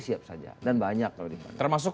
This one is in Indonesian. siap saja dan banyak kalau dipakai termasuk